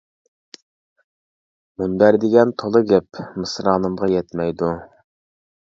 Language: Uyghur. مۇنبەر دېگەن تولا گەپ، مىسرانىمغا يەتمەيدۇ.